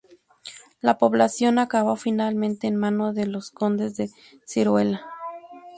La población acabó finalmente en manos de los condes de Siruela.